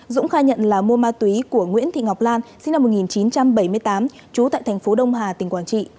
dũng khai nhận là mua ma túy của nguyễn thị ngọc lan sinh năm một nghìn chín trăm bảy mươi tám trú tại thành phố đông hà tỉnh quảng trị